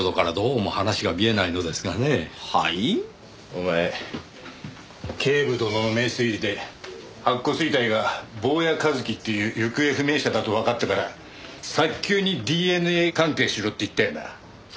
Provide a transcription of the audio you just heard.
お前警部殿の名推理で白骨遺体が坊谷一樹っていう行方不明者だとわかったから早急にＤＮＡ鑑定しろって言ったよな？